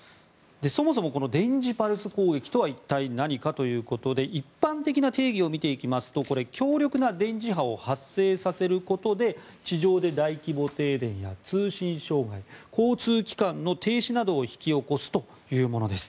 そもそもこの電磁パルス攻撃とは一体、何かということで一般的な定義を見ていきますとこれ、強力な電磁波を発生させることで地上で大規模停電や通信障害交通機関の停止などを引き起こすというものです。